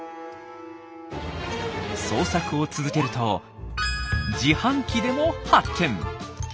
捜索を続けると自販機でも発見。